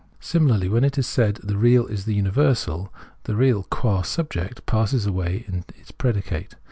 Similarly, when it is said :" the real is the universal," the real, qua subject, passes away in its predicate.